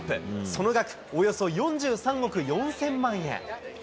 その額、およそ４３億４０００万円。